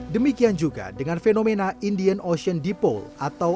demikian juga dengan fenomena indian ocean deep pole atau iod